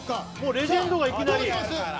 レジェンドがいきなり。